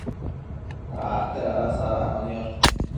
acte dada sadacno niosh